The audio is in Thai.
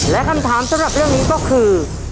และคำถามสำหรับเรื่องนี้ก็คือ